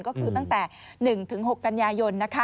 ก็คือตั้งแต่๑๖กันยายน